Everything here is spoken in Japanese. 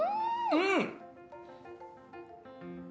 うん！